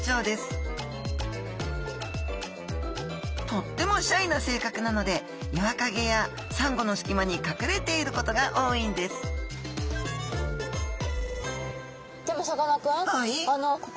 とってもシャイな性格なので岩陰やサンゴの隙間にかくれていることが多いんですでもさかなクン。